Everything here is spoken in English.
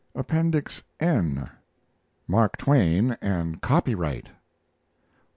APPENDIX N MARK TWAIN AND COPYRIGHT I.